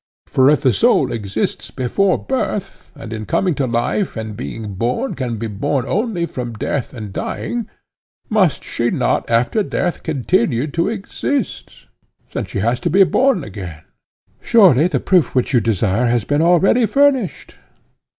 For if the soul exists before birth, and in coming to life and being born can be born only from death and dying, must she not after death continue to exist, since she has to be born again?—Surely the proof which you desire has been already furnished.